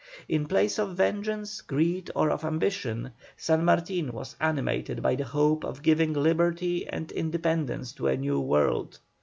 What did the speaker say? In place of vengeance, greed, or of ambition, San Martin was animated by the hope of giving liberty and independence to a new world.